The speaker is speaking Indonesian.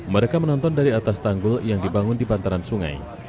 mereka menonton dari atas tanggul yang dibangun di bantaran sungai